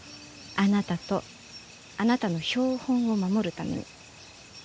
あなたとあなたの標本を守るために。